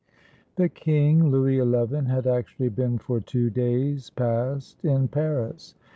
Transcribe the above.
] The king (Louis XI) had actually been for two days past in Paris.